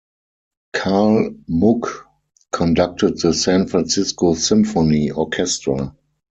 Karl Muck conducted the San Francisco Symphony Orchestra.